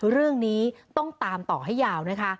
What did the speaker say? เรื่องนี้ต้องตามต่อให้ยาวนะคะ